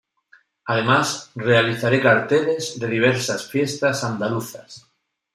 Además realizará carteles de diversas fiestas andaluzas.